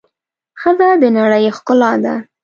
ښځه د د نړۍ ښکلا ده.